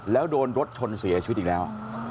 แล้วโดนรถชนเสียชีวิตอีกแล้ว